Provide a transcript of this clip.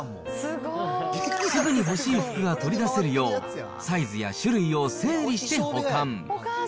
すぐに欲しい服が取り出せるよう、サイズや種類を整理して保管。